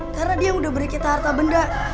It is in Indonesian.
karena dia yang udah beri kita harta benda